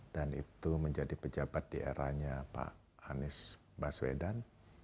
dan itu menjadi pejabat di eranya pak anies baswedan